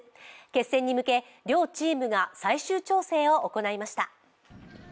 決戦に向け両チームが最終調整を行いました。